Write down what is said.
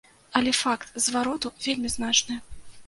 Але факт звароту вельмі значны.